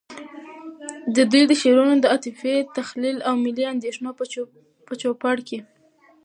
د دوی د شعرونو د عاطفی، تخیّل، او ملی اندیښنو په چو پړ کي